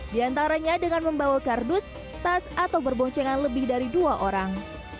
di antaranya dengan membawa kardus tas atau berboncengan lebih dari dua orang